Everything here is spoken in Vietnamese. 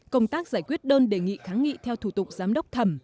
công tác giải quyết đơn đề nghị kháng nghị theo thủ tục giám đốc thẩm